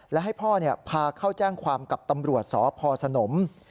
และให้พ่อพาเข้าแจ้งความกับตำรวจสพสนม